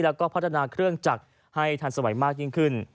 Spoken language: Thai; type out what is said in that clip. แล้วก็พัฒนาเครื่องจักรให้ทันสมัยมากยิ่งขึ้น